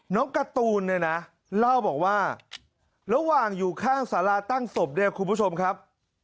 การ์ตูนเนี่ยนะเล่าบอกว่าระหว่างอยู่ข้างสาราตั้งศพเนี่ยคุณผู้ชมครับ